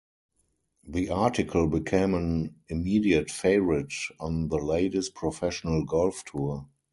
The article became an immediate favorite on the Ladies Professional Golf Tour.